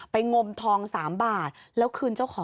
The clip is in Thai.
งมทอง๓บาทแล้วคืนเจ้าของ